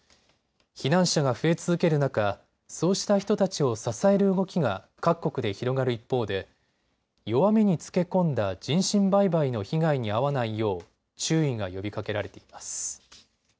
避難所が増え続ける中、そうした人たちを支える動きが各国で広がる一方で弱みにつけ込んだ人身売買の被害に遭わないよう注意が呼びかけられています。